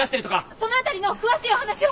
その辺りの詳しいお話を。